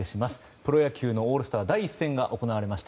プロ野球のオールスター第１戦が行われました